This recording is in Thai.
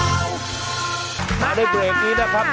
มาก้าพาได้ตัวอย่างนี้นะครับ